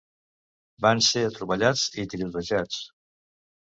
Van ser atropellats i tirotejats.